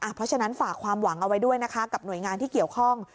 เพราะฉะนั้นฝากความหวังเอาไว้ด้วยนะคะกับหน่วยงานที่เกี่ยวข้อง